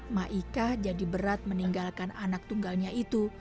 ma ika jadi berat meninggalkan anak tunggalnya itu